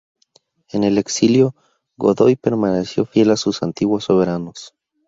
En el exilio, Godoy permaneció fiel a sus antiguos soberanos.